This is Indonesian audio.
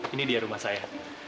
ini dia rumah saya